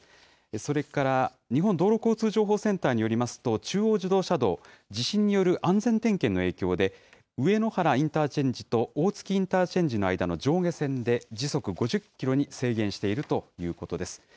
それから日本道路交通情報センターによりますと、中央自動車道、地震による安全点検の影響で、上野原インターチェンジと大月インターチェンジの間の上下線で、時速５０キロに制限しているということです。